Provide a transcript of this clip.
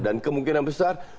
dan kemungkinan besar